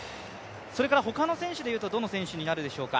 それから他の選手で言うとどの選手になるでしょうか。